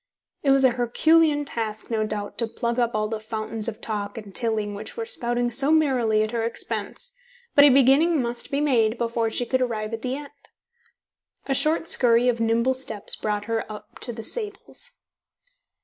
It was a herculean task, no doubt, to plug up all the fountains of talk in Tilling which were spouting so merrily at her expense, but a beginning must be made before she could arrive at the end. A short scurry of nimble steps brought her up to the sables.